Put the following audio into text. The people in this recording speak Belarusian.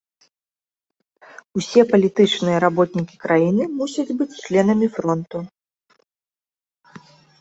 Усе палітычныя работнікі краіны мусяць быць членамі фронту.